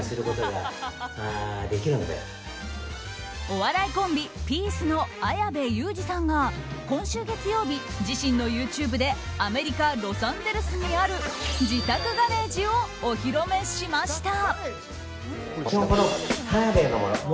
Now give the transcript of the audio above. お笑いコンビ、ピースの綾部祐二さんが今週月曜日自身のＹｏｕＴｕｂｅでアメリカ・ロサンゼルスにある自宅ガレージをお披露目しました。